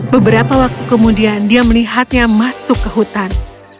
beberapa waktu kemudian dia melihatnya masuk ke hutan